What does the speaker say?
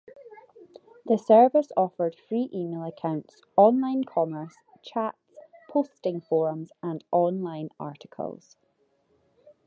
The service offered free email accounts, online commerce, chats, posting forums and online articles.